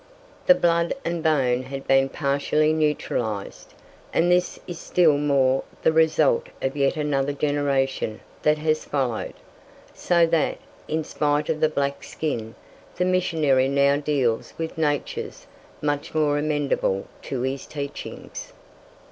The blood and bone had been partially neutralized, and this is still more the result of yet another generation that has followed, so that, in spite of the black skin, the missionary now deals with natures much more amenable to his teachings.